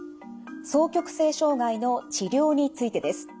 双極性障害の治療についてです。